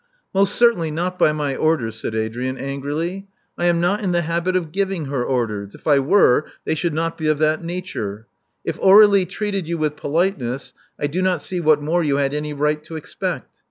Most certainly not by my orders," said Adrian, angrily. I am not in the habit of giving her orders. If I were, they should not be of that nature. If Aur^lie treated you with politeness, I do not see what more you had any right to expect.